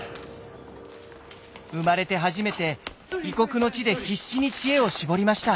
生まれて初めて異国の地で必死に知恵を絞りました。